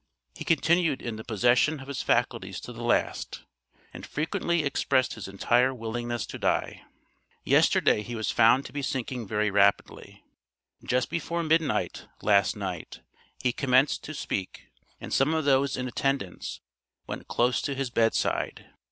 He continued in the possession of his faculties to the last, and frequently expressed his entire willingness to die. Yesterday he was found to be sinking very rapidly. Just before midnight, last night, he commenced to speak, and some of those in attendance, went close to his bed side.